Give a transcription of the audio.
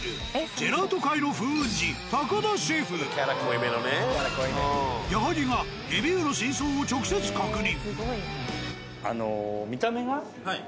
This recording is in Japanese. ジェラート界の風雲児矢作がレビューの真相を直接確認。